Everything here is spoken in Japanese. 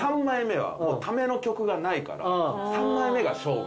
３枚目はもうための曲がないから３枚目が勝負なんです。